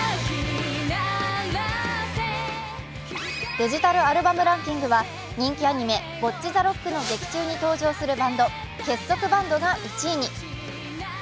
デジタルシングルランキングは人気アニメ「ぼっち・ざ・ろっく！」の劇中に登場するバンド、結束バンドが１位に。